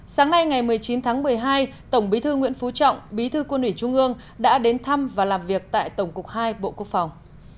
sáng nay ngày một mươi chín tháng một mươi hai tổng bí thư nguyễn phú trọng bí thư quân ủy trung ương đã đến thăm và làm việc tại tổng cục hai bộ quốc phòng